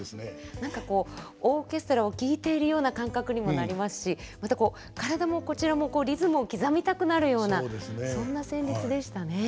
何かこうオーケストラを聴いているような感覚にもなりますしまた体もこちらもリズムを刻みたくなるようなそんな旋律でしたね。